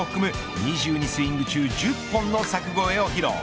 ２２スイング中１０本の柵越えを披露。